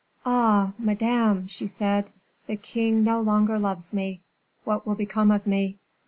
"Ah, madame!" she said, "the king no longer loves me! What will become of me?"